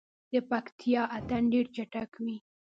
د پکتیا اتن ډیر چټک وي.